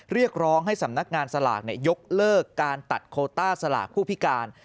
เรียกร้องให้สำนักงานสลากยกเลิกการตัดโคต้าสลากผู้พิการ